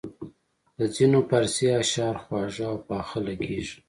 د ځینو فارسي اشعار خواږه او پاخه لګیږي.